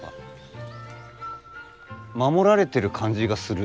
守られてる感じがする。